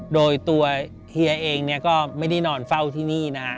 โดยตัวเฮียเองก็ไม่ได้นอนเฝ้าที่นี่